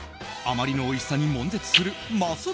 あまりのおいしさに悶絶するます